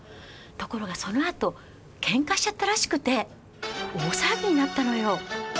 ところがそのあと喧嘩しちゃったらしくて大騒ぎになったのよ。